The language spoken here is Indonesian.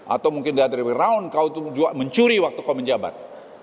atau mungkin di atribut round kau mencuri waktu kau menjabat